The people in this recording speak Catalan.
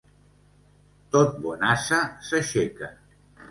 Tot bon ase s'aixeca.